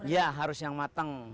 iya harus yang matang